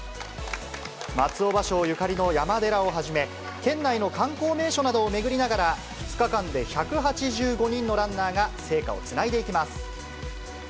松尾芭蕉ゆかりの山寺をはじめ、県内の観光名所などを巡りながら、２日間で１８５人のランナーが聖火をつないでいきます。